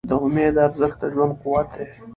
د امید ارزښت د ژوند قوت دی.